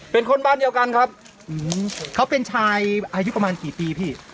เป็นคนบ้านเดียวกันครับเขาเป็นชายอายุประมาณกี่ปีพี่